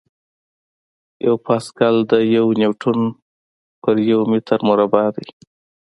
یو پاسکل د یو نیوټن پر یو متر مربع دی.